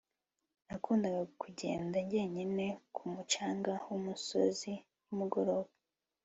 Nakundaga kugenda njyenyine ku mucanga wumusozi nimugoroba